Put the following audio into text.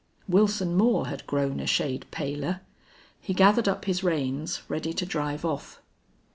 Wilson Moore had grown a shade paler. He gathered up his reins, ready to drive off.